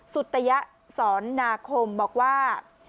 สุตยสอนนาคมบอกว่า